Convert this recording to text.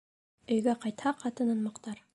Өйгә ҡайтһа, ҡатынын маҡтар.